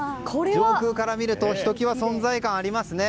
上空から見るとひときわ存在感がありますね。